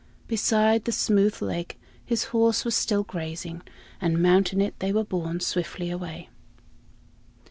Beside the smooth lake his horse was still grazing, and mounting it, they were borne swiftly away.